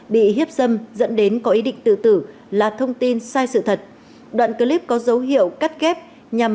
bị hiếp dâm dẫn đến có ý định tự tử là thông tin sai sự thật đoạn clip có dấu hiệu cắt kép nhằm